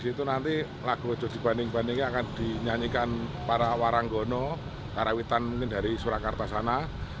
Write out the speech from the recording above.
di situ nanti lagu ojo dibanding bandingnya akan dinyanyikan para waranggono karawitan mungkin dari surakarta sana